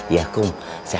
kamu mau ke dalam